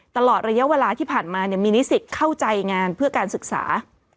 ตลอดระยะเวลาที่ผ่านมามีนิสิตเข้าใจงานเพื่อการศึกษา